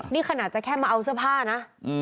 นี่ขนาดจะแค่มาเอาเสื้อผ้านะ